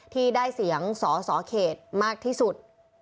ที่ได้เสียงสอสอเขตมากที่สุด